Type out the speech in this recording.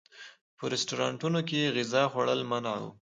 په رسټورانټونو کې غذا خوړل منع و.